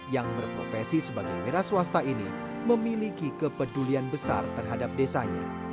yang berprofesi sebagai wira swasta ini memiliki kepedulian besar terhadap desanya